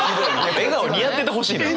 笑顔似合っててほしいのよ！